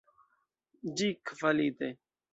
Ĝi kvalite.